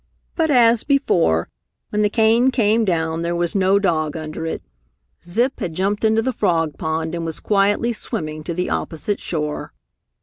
But as before, when the cane came down there was no dog under it. Zip had jumped into the frog pond and was quietly swimming to the opposite shore.